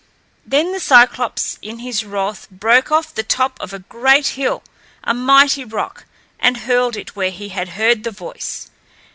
Then the Cyclops in his wrath broke off the top of a great hill, a mighty rock, and hurled it where he had heard the voice.